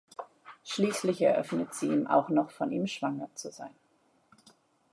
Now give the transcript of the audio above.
Schließlich eröffnet sie ihm auch noch von ihm schwanger zu sein.